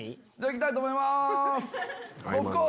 いきたいと思います。